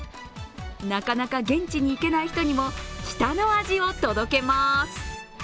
なかなか現地に行けない人にも北の味を届けまーす。